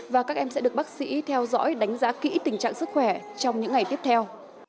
và các em sẽ được bác sĩ theo dõi đánh giá kỹ tình trạng sức khỏe trong những ngày tiếp theo